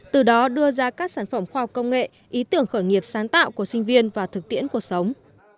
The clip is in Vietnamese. từ đó đưa ra các sản phẩm khoa học công nghệ ý tưởng khởi nghiệp sáng tạo của sinh viên vào thực tiễn cuộc sống